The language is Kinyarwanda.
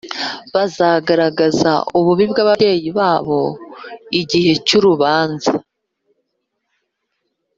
bazagaragaza ububi bw’ababyeyi babo igihe cy’urubanza.